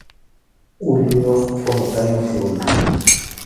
Ulluyuq qʼurutayuq runa.